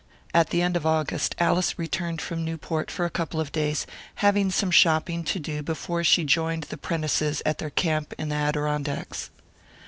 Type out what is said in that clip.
At the end of August Alice returned from Newport for a couple of days, having some shopping to do before she joined the Prentices at their camp in the Adirondacks.